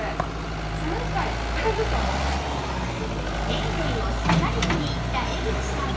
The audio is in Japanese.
エニデイをすっかり気に入った江口さん